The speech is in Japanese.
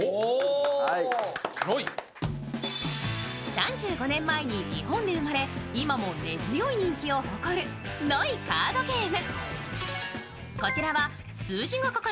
３５年前に日本で生まれ今も根強い人気を誇るノイカードゲーム。